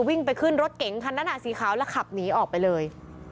วิ่งไปขึ้นรถเก๋งคันนั้นสีขาวแล้วขับหนีออกไปเลย